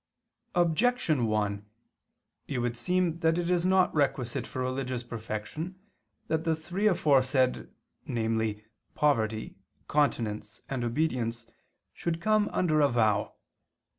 Objection 1: It would seem that it is not requisite for religious perfection that the three aforesaid, namely poverty, continence, and obedience, should come under a vow.